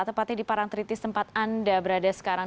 tepatnya di parang tritis tempat anda berada sekarang